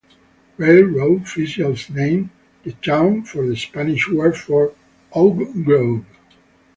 Railroad officials named the town for the Spanish word for "oak grove".